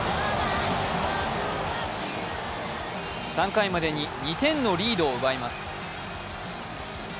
３回までに２点のリードを奪います。